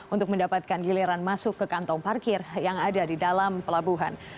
untuk mendapatkan giliran masuk ke kantong parkir yang ada di dalam pelabuhan